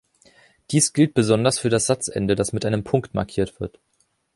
Dies gilt besonders für das Satzende, das mit einem Punkt markiert wird.